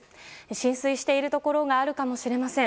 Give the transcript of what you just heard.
浸水しているところがあるかもしれません。